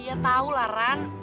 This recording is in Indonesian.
iya tau lah ran